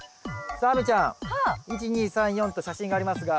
さあ亜美ちゃん１２３４と写真がありますが。